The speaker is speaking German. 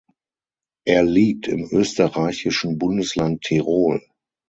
Er liegt im österreichischen Bundesland Tirol.